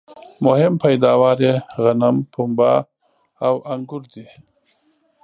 مهم پیداوار یې غنم ، پنبه او انګور دي